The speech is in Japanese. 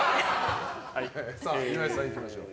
さあ、岩井さんいきましょう。